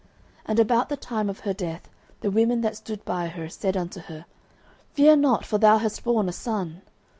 09:004:020 And about the time of her death the women that stood by her said unto her, Fear not; for thou hast born a son.